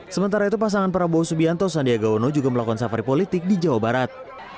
sementara itu pasangan prabowo subianto sandiaga uno juga melakukan safari politik di jawa barat